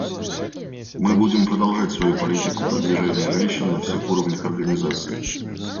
Мы будем продолжать свою политику продвижения женщин на всех уровнях Организации.